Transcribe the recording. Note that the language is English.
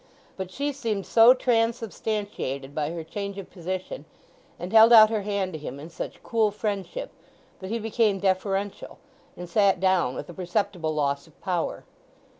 But she seemed so transubstantiated by her change of position, and held out her hand to him in such cool friendship, that he became deferential, and sat down with a perceptible loss of power.